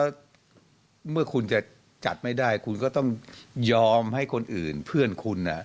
แล้วเมื่อคุณจะจัดไม่ได้คุณก็ต้องยอมให้คนอื่นเพื่อนคุณ